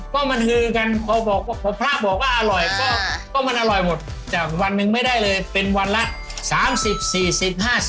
ก็มันคือกันพระพระบอกว่าอร่อยก็มันอร่อยหมดแต่วันหนึ่งไม่ได้เลยเป็นวันละ